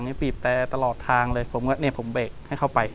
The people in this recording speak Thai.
กลับมาที่สุดท้ายและกลับมาที่สุดท้าย